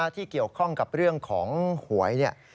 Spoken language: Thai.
ที่เกี่ยวข้องกับเรื่องของหวยเนี่ย